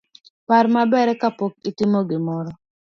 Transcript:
Par maber kapok itimo gimoro